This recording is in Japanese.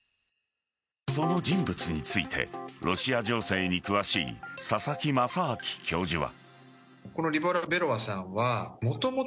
その人物についてロシア情勢に詳しい佐々木正明教授は。